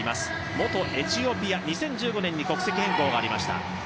元エチオピア、２０１５年に国籍変更がありました。